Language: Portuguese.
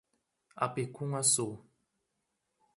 Apicum-Açu